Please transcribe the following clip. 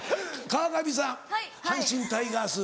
川上さん阪神タイガース。